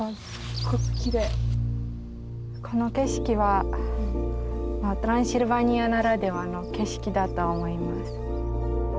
この景色はトランシルバニアならではの景色だと思います。